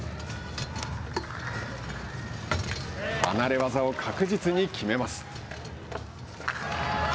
離れ技を確実に決めます。